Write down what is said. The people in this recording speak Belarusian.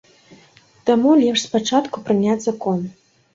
Таму лепш спачатку прыняць закон.